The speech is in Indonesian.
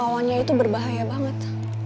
galauannya itu berbahaya banget